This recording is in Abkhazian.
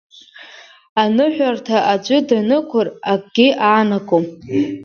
Аныҳәарҭа аӡәы данықәыр, акгьы аанагом…